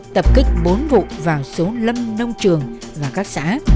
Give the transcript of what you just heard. tập kích bốn vụ vào số lâm nông trường và các xã